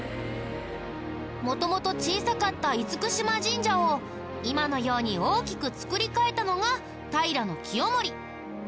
元々小さかった嚴島神社を今のように大きく造り替えたのが平清盛。